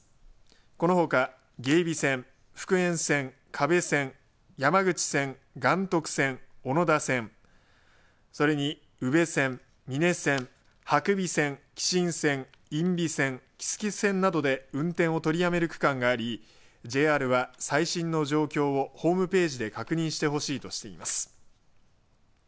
このほか、芸備線福塩線、可部線山口線、岩徳線小野田線それに宇部線美祢線、伯備線、姫新線因美線木次線などで運転を取りやめる区間がありＪＲは最新の状況をホームページで確認してほしいとしています。